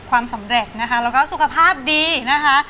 ความสำเร็จนะคะแล้วก็สุขภาพดีนะคะ